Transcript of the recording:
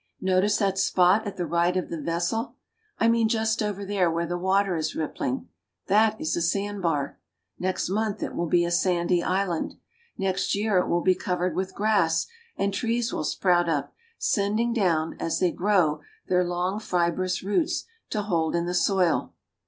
Notice that spot at the right of the vessel. I mean just over there where the water is rippling. That is a sand bar. Next month it will be a sandy island. Next year it will be covered with grass, and trees will sprout up, sending down, as they grow, their long, fibrous roots to hold in the soil.